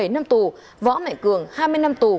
một mươi bảy năm tù võ mạnh cường hai mươi năm tù